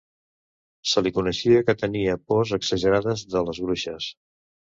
Se li coneixia que tenia pors exagerades de les bruixes.